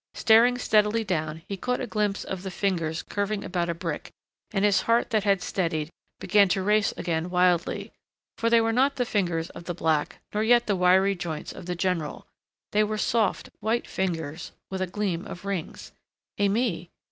Staring steadily down he caught a glimpse of the fingers curving about a brick, and his heart that had steadied, began to race again wildly. For they were not the fingers of the black nor yet the wiry joints of the general. They were soft, white fingers, with a gleam of rings. Aimée!